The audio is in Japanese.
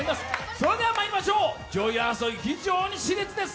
それではまいりましょう、上位争い、非常にしれつです。